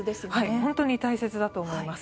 本当に大切だと思います。